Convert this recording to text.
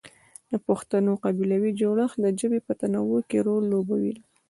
د پښتنو قبیلوي جوړښت د ژبې په تنوع کې رول لوبولی دی.